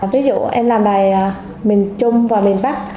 ví dụ em làm đài bình trung và bình bắc